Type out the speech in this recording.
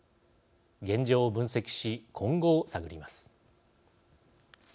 現状を分析し今後を探ります。